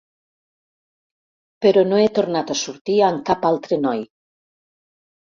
Però no he tornat a sortir amb cap altre noi.